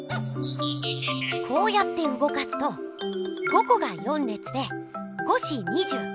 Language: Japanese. こうやってうごかすと５こが４れつで５×４＝２０。